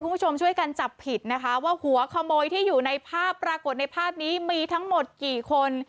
คุณผู้ชมช่วยกันจับผิดนะคะว่าหัวขโมยที่อยู่ในภาพปรากฏในภาพนี้มีทั้งหมดกี่คน